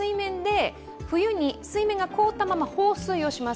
冬に水面が凍ったまま放水をします。